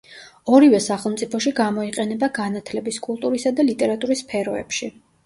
ორივე სახელმწიფოში გამოიყენება განათლების, კულტურისა და ლიტერატურის სფეროებში.